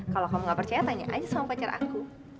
kalau kamu gak percaya tanya aja sama pacar aku